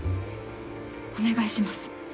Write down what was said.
お願いします。